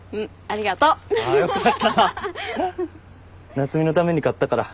夏海のために買ったから。